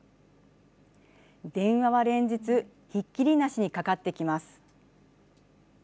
電話は連日ひっきりなしにかかってきます。